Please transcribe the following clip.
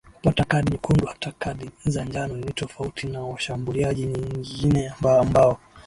kupata kadi nyekundu hata kadi za njano nitofauti na washambuliaji nyingine mbao